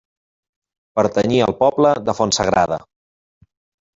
Pertanyia al poble de Fontsagrada.